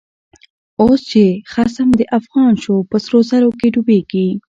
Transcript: اوس چه خصم دافغان شو، په سرو زرو کی ډوبیږی